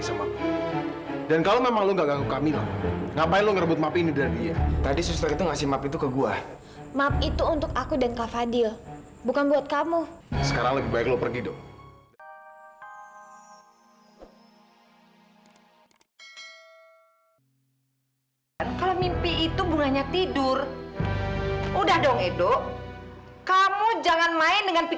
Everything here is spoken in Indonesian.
sekarang lebih baik lo pergi dong